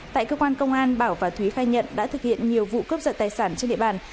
tại cơ quan công an bảo và thúy khai nhận đã thực hiện nhiều vụ cướp giật tài sản trên địa bàn